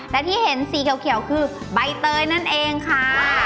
แต่ที่เห็นสีเขียวคือใบเตยนั่นเองค่ะ